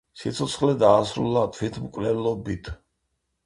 სიცოცხლე დაასრულა თვითმკვლელობით.